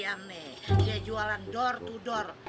iya nih dia jualan door to door